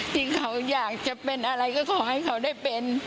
ที่เขาอยากจะเป็นอะไรก็ขอให้เขาได้เป็น